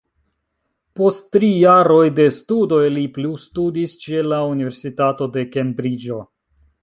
Post tri jaroj de studoj li plustudis ĉe la Universitato de Kembriĝo.